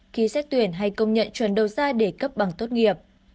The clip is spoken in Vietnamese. khi xét tuyển hay công nhận chuẩn đầu ra để cấp bằng tốt nghiệp